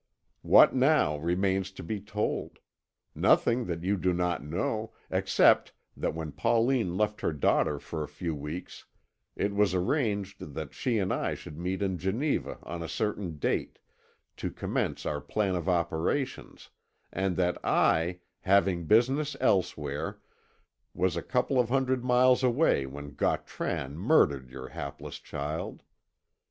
What, now, remains to be told? Nothing that you do not know except that when Pauline left her daughter for a few weeks, it was arranged that she and I should meet in Geneva on a certain date, to commence our plan of operations, and that I, having business elsewhere, was a couple of hundred miles away when Gautran murdered your hapless child.